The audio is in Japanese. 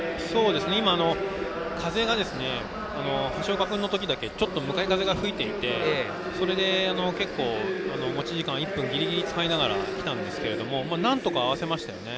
今、風が橋岡君の時だけちょっと向かい風が吹いていてそれで結構持ち時間１分ギリギリ使いながら来たんですけれどもなんとか合わせましたね。